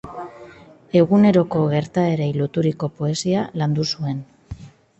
Eguneroko gertaerei loturiko poesia landu zuen.